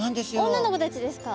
女の子たちですか。